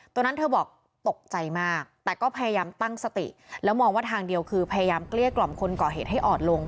ตอนนั้นเธอบอกตกใจมากแต่ก็พยายามตั้งสติแล้วมองว่าทางเดียวคือพยายามเกลี้ยกล่อมคนก่อเหตุให้อ่อนลง